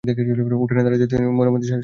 উঠোনে দাঁড়াতেই মনে শান্তি-শান্তি একটা ভাব হল।